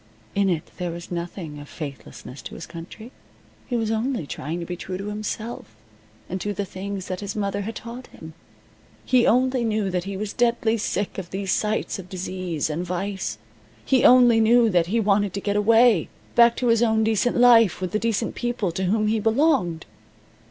In it there was nothing of faithlessness to his country. He was only trying to be true to himself, and to the things that his mother had taught him. He only knew that he was deadly sick of these sights of disease, and vice. He only knew that he wanted to get away back to his own decent life with the decent people to whom he belonged.